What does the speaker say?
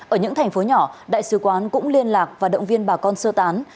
ở những thành phố nhỏ đại sứ quán cũng liên lạc và động viên bà con sơ tán